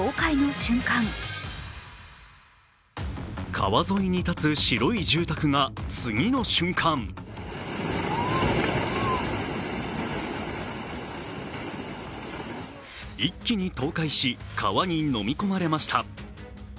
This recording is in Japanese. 川沿いに立つ白い住宅が次の瞬間一気に倒壊し、川にのみ込まれました。